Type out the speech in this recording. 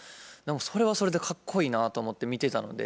それはそれでかっこいいなと思って見てたので。